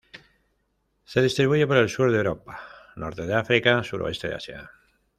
Se distribuye por el Sur de Europa, Norte de África, Suroeste de Asia.